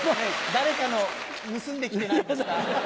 誰かの盗んできてないですか？